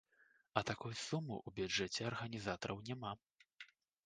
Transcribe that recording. А такой сумы ў бюджэце арганізатараў няма.